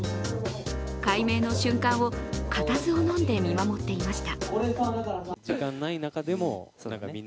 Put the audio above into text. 改名の瞬間を固唾をのんで見守りました。